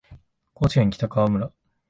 高知県北川村